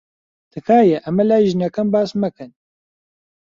تکایە ئەمە لای ژنەکەم باس مەکەن.